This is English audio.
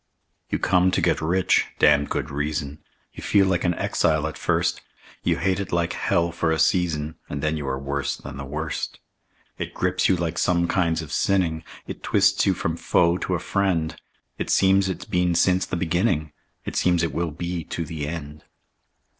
You come to get rich (damned good reason); You feel like an exile at first; You hate it like hell for a season, And then you are worse than the worst. It grips you like some kinds of sinning; It twists you from foe to a friend; It seems it's been since the beginning; It seems it will be to the end.